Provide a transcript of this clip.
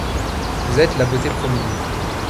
Vous êtes la beauté promise.